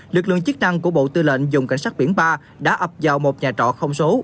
lực lượng chức năng của bộ tư lệnh dùng cảnh sát biển ba đã ập vào một nhà trọ không số